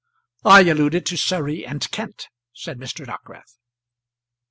"I alluded to Surrey and Kent," said Mr. Dockwrath.